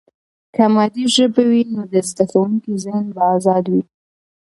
که مادي ژبه وي، نو د زده کوونکي ذهن به آزاد وي.